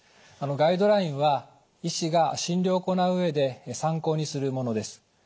ガイドラインは医師が診療を行う上で参考にするものです。